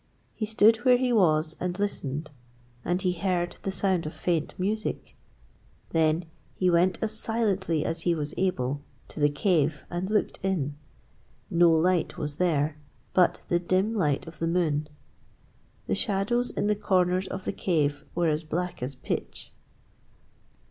He stood where he was, and listened, and he heard the sound of faint music. Then he went as silently as he was able to the cave, and looked in. No light was there but the dim light of the moon. The shadows in the corners of the cave were as black as pitch.